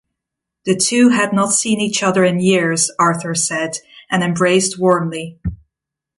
The two had not seen each other in years, Arthur said, and embraced warmly.